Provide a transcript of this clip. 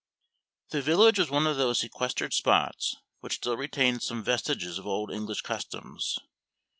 The village was one of those sequestered spots which still retain some vestiges of old English customs.